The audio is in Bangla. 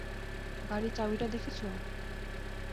গাড়ির চাবিটা দেখেছ?